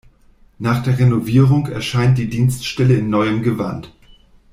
Nach der Renovierung erscheint die Dienststelle in neuem Gewand.